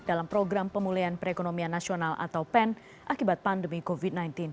dalam program pemulihan perekonomian nasional atau pen akibat pandemi covid sembilan belas